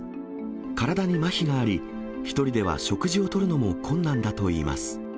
体にまひがあり、１人では食事をとるのも困難だといいます。